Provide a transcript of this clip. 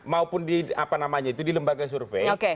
maupun di apa namanya itu di lembaga survei